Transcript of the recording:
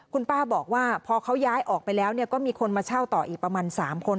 คุณป้าบอกว่าพอเขาย้ายออกไปแล้วก็มีคนมาเช่าต่ออีกประมาณ๓คน